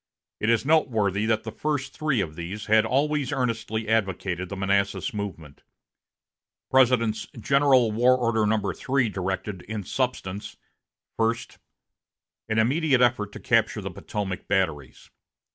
It is noteworthy that the first three of these had always earnestly advocated the Manassas movement. President's General War Order No. 3 directed, in substance: First. An immediate effort to capture the Potomac batteries.